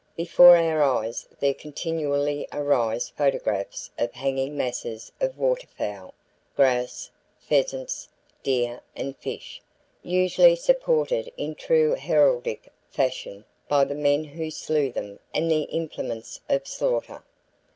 Before our eyes there continually arise photographs of hanging masses of waterfowl, grouse, pheasants, deer and fish, usually supported in true heraldic fashion by the men who slew them and the implements of slaughter.